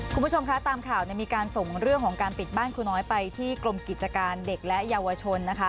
คุณผู้ชมคะตามข่าวมีการส่งเรื่องของการปิดบ้านครูน้อยไปที่กรมกิจการเด็กและเยาวชนนะคะ